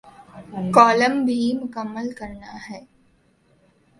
Column بھی مکمل کرنا ہے۔